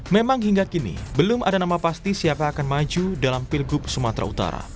memang hingga kini belum ada nama pasti siapa yang akan maju dalam pilgub sumatera utara